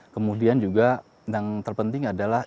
kemudian juga yang terpenting adalah